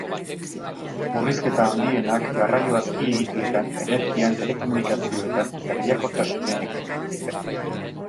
Murrizketa handienak garraio-azpiegituretan, energian, telekomunikazioetan eta lehiakortasunean egingo dituzte.